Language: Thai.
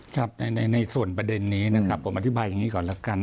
ครับในส่วนประเด็นนี้นะครับผมอธิบายอย่างนี้ก่อนแล้วกัน